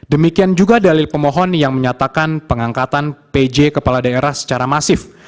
demikian juga dalil pemohon yang menyatakan pengangkatan pj kepala daerah secara masif